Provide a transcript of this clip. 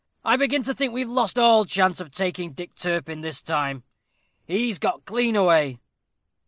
I begin to think we've lost all chance of taking Dick Turpin this time. He's got clean away."